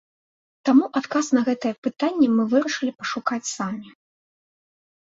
Таму адказ на гэтае пытанне мы вырашылі пашукаць самі.